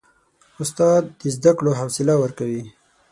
استاد د زده کړو حوصله ورکوي.